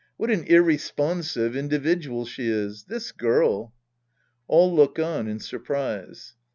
What an irresponsive individual she is ! This girl. {All look on in surprise.